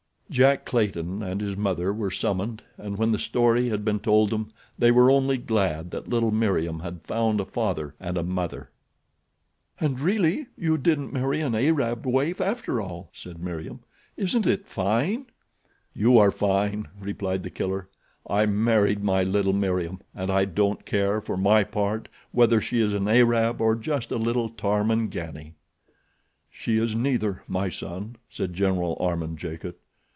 Jack Clayton and his mother were summoned, and when the story had been told them they were only glad that little Meriem had found a father and a mother. "And really you didn't marry an Arab waif after all," said Meriem. "Isn't it fine!" "You are fine," replied The Killer. "I married my little Meriem, and I don't care, for my part, whether she is an Arab, or just a little Tarmangani." "She is neither, my son," said General Armand Jacot.